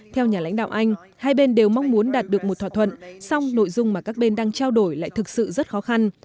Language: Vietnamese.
theo nhà lãnh đạo anh hai bên đều mong muốn đạt được một thỏa thuận song nội dung mà các bên đang trao đổi lại thực sự rất khó khăn